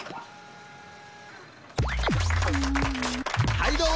はいども！